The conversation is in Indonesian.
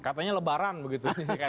katanya lebaran begitu